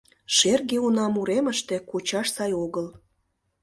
— Шерге унам уремыште кучаш сай огыл.